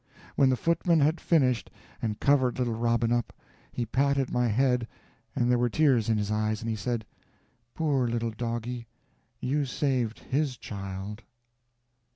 When the footman had finished and covered little Robin up, he patted my head, and there were tears in his eyes, and he said: "Poor little doggie, you saved _his _child!"